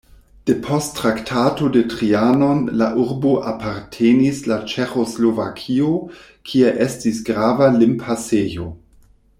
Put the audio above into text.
Depost Traktato de Trianon la urbo apartenis al Ĉeĥoslovakio, kie estis grava limpasejo.